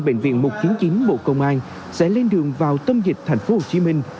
bệnh viện một trăm chín mươi chín bộ công an sẽ lên đường vào tâm dịch thành phố hồ chí minh